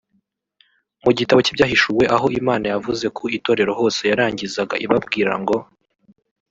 Mu gitabo cy’ Ibyahishuwe aho Imana yavuze ku itorero hose yarangizaga ibabwira ngo